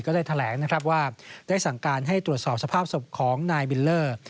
ได้แถลงนะครับว่าได้สั่งการให้ตรวจสอบสภาพศพของนายบิลเลอร์